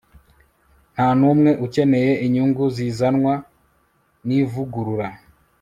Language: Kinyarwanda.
nta numwe ukeneye inyungu zizanwa nivugurura